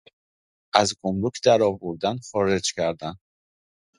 از گمرک در آوردن خارج کردن